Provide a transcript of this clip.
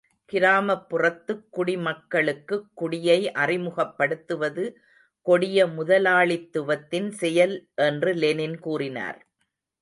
கிராமப்புறத்துக் குடிமக்களுக்குக் குடியை அறிமுகப்படுத்துவது கொடிய முதலாளித்துவத்தின் செயல் என்று லெனின் கூறினார்.